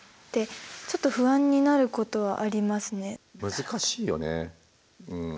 難しいよねうん。